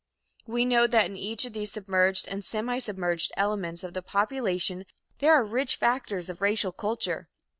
We know that in each of these submerged and semisubmerged elements of the population there are rich factors of racial culture.